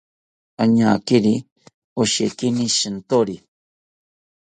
Añakiri oshekini shintori